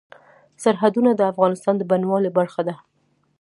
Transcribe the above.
سرحدونه د افغانستان د بڼوالۍ برخه ده.